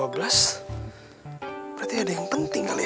berarti ada yang penting kali ya